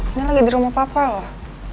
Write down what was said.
ini lagi di rumah papa loh